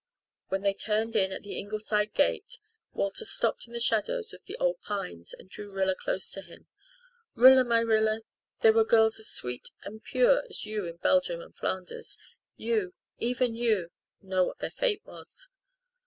When they turned in at the Ingleside gate Walter stopped in the shadows of the old pines and drew Rilla close to him. "Rilla my Rilla, there were girls as sweet and pure as you in Belgium and Flanders. You even you know what their fate was.